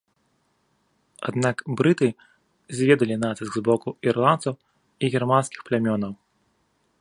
Аднак брыты зведалі націск з боку ірландцаў і германскіх плямёнаў.